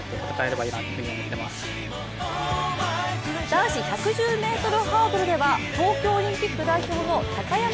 男子１１０ｍハードルでは東京オリンピック代表の高山峻